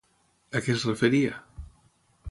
A què es referia?